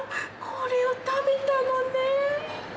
これを食べたのね。